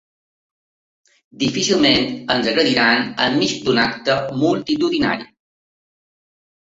Difícilment ens agrediran en mig d’un acte multitudinari.